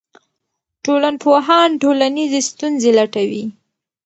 ټولنپوهان ټولنیزې ستونزې لټوي.